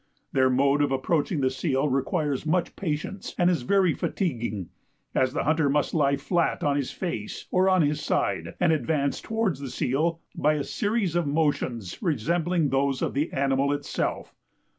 Their mode of approaching the seal requires much patience and is very fatiguing, as the hunter must lie flat on his face or on his side, and advance towards the seal by a series of motions resembling those of the animal itself.